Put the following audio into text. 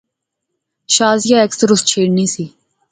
شازیہ اکثر اس چھیڑنی سی